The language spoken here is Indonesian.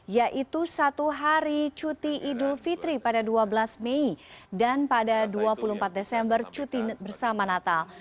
yaitu satu hari cuti idul fitri pada dua belas mei dan pada dua puluh empat desember cuti bersama natal